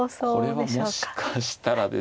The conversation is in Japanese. これはもしかしたらですね